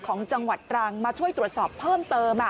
ของจังหวัดตรังมาช่วยตรวจสอบเพิ่มเติม